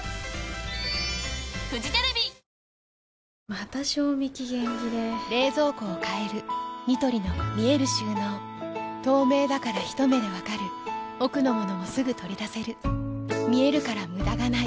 また賞味期限切れ冷蔵庫を変えるニトリの見える収納透明だからひと目で分かる奥の物もすぐ取り出せる見えるから無駄がないよし。